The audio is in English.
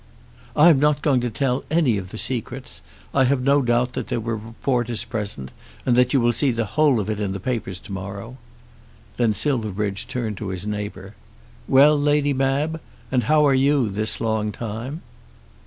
"I am not going to tell any of the secrets. I have no doubt that there were reporters present, and you will see the whole of it in the papers to morrow." Then Silverbridge turned to his neighbour. "Well, Lady Mab, and how are you this long time?"